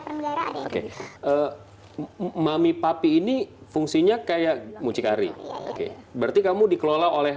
pernegara ada yang gitu mami papi ini fungsinya kayak mucikari berarti kamu dikelola oleh